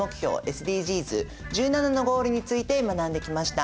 ＳＤＧｓ１７のゴールについて学んできました。